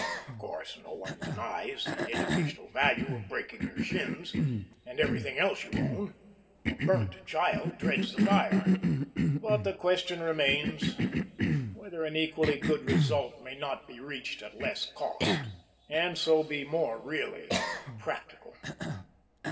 Of course, no one denies the educational value of breaking your shins, and everything else your own a burnt child dreads the fire; but the question remains whether an equally good result may not be reached at less cost, and so be more really practical.